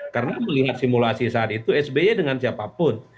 karena melihat simulasi saat itu sbe dengan siapapun